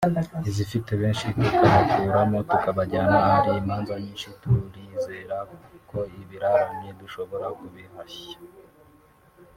izifite benshi tukabakuramo tukabajyana ahari imanza nyinshi…turizera ko ibirarane dushobora kubihashya